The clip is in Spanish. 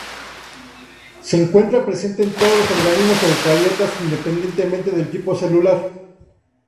Se encuentra presente en todos los organismos eucariotas, independientemente del tipo celular.